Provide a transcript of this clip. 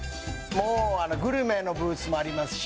グルメのブースもありますし。